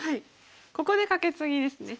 ここでカケツギですね。